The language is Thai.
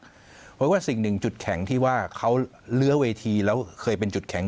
เพราะว่าสิ่งหนึ่งจุดแข็งที่ว่าเขาเลื้อเวทีแล้วเคยเป็นจุดแข็ง